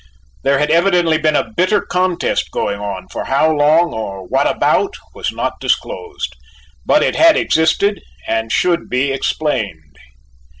There had evidently been a bitter contest going on, for how long or what about was not disclosed, but it had existed and should be explained.